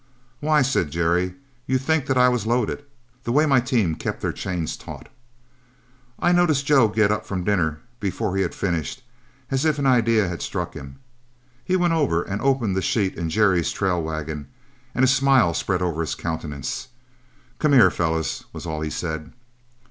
'Why,' said Jerry, 'you'd think that I was loaded, the way my team kept their chains taut.' I noticed Joe get up from dinner before he had finished, as if an idea had struck him. He went over and opened the sheet in Jerry's trail wagon, and a smile spread over his countenance. 'Come here, fellows,' was all he said.